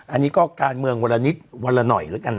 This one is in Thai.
อันนี้ก็การเมืองวันละนิดวันละหน่อยแล้วกัน